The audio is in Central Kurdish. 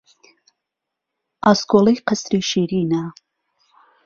ئاسکۆڵهی قهسری شیرینه